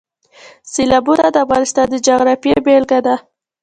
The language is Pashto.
سیلابونه د افغانستان د جغرافیې بېلګه ده.